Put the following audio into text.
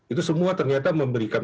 itu semua ternyata memberikan